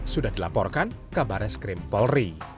sudah dilaporkan kabar reskrim polri